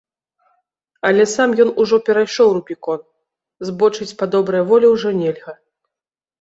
Але сам ён ужо перайшоў рубікон, збочыць па добрай волі ўжо нельга.